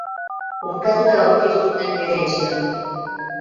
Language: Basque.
Urkatuta aurkitu zuten bere etxean.